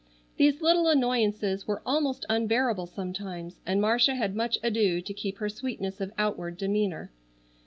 These little annoyances were almost unbearable sometimes and Marcia had much ado to keep her sweetness of outward demeanor.